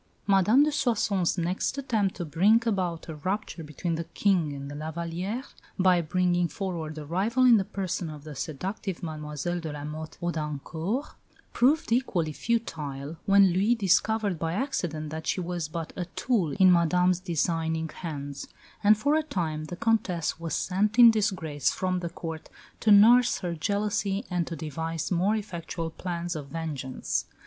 Madame de Soissons' next attempt to bring about a rupture between the King and La Vallière, by bringing forward a rival in the person of the seductive Mlle de la Motte Houdancourt, proved equally futile, when Louis discovered by accident that she was but a tool in Madame's designing hands; and for a time the Comtesse was sent in disgrace from the Court to nurse her jealousy and to devise more effectual plans of vengeance.